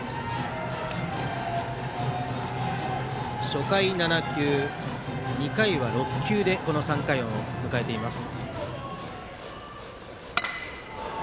初回７球、２回は６球でこの３回を迎えています。